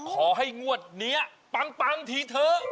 ขอให้งวดเนี่ยปั๊งปังถี่เถอะ